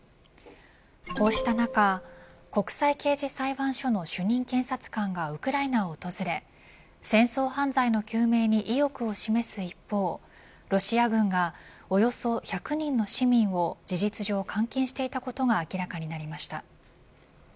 こうした中、国際刑事裁判所の主任検察官がウクライナを訪れ戦争犯罪の究明に意欲を示す一方ロシア軍がおよそ１００人の市民を事実上、監禁していたことが明らかになりました。